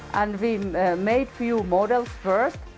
kami membuat beberapa model dulu